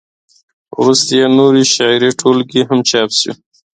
وروسته یې نورې شعري ټولګې هم چاپ شوې.